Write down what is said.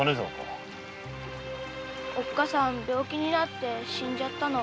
母ちゃん病気になって死んじゃったの。